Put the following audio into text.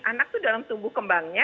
anak itu dalam tubuh kembangnya